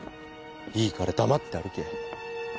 いいから黙って歩け。